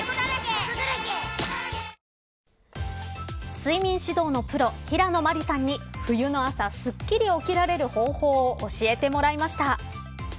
睡眠指導のプロヒラノマリさんに冬の朝すっきり起きられる方法を教えてもらいました。